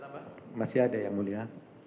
masih ada yang mulia